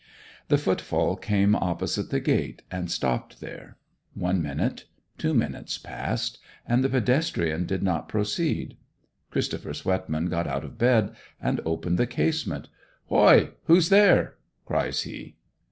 The footfall came opposite the gate, and stopped there. One minute, two minutes passed, and the pedestrian did not proceed. Christopher Swetman got out of bed, and opened the casement. 'Hoi! who's there?' cries he.